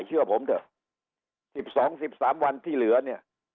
เชื่อผมเถอะสิบสองสิบสามวันที่เหลือเนี่ย